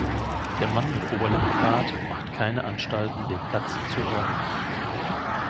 Der Mann mit Oberlippenbart macht keine Anstalten, den Platz zu räumen.